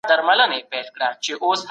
ما پخوا دا ډول مهارت نه و لیدلی.